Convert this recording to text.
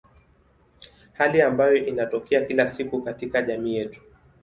Hali ambayo inatokea kila siku katika jamii yetu.